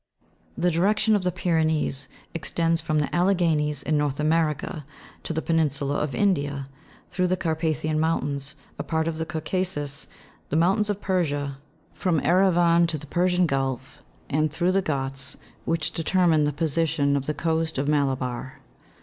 The direction of the Pyrenees extends from the Alleghanies, in North America, to the peninsula of India, through the Carpathian mountains, a part of Caucasus, the mountains of Persia, from Erivan to the Persian Gulf, and through the Ghauts, which determine the position of the coast of Mala bar.